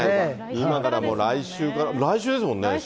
今からもう来週から、来週ですもんね。